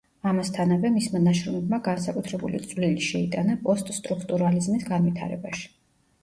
ამასთანავე, მისმა ნაშრომებმა განსაკუთრებული წვლილი შეიტანა პოსტსტრუქტურალიზმის განვითარებაში.